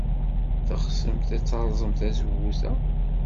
Teɣsemt ad terẓem tzewwut-a?